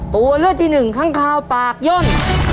ตัวเลือกที่หนึ่งข้างคาวปากย่น